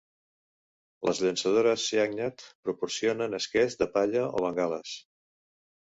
Les llançadores Seagnat proporcionen esquers de palla o bengales.